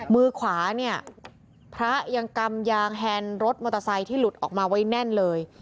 มือขวาเนี่ยพระยังกำยางแฮนดรถมอเตอร์ไซค์ที่หลุดออกมาไว้แน่นเลย